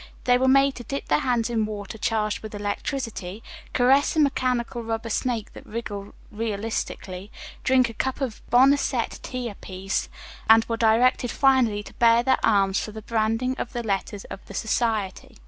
They were made to dip their hands in water charged with electricity, caress a mechanical rubber snake that wriggled realistically, drink a cup of boneset tea apiece, and were directed finally to bare their arms for the branding of the letters of the society.